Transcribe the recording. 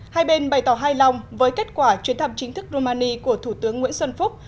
hai bên bày tỏ hài lòng với kết quả chuyến thăm chính thức rumani của thủ tướng nguyễn xuân phúc